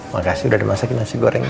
makasih udah dimasakin nasi goreng